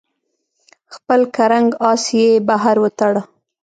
خپل کرنګ آس یې بهر وتاړه.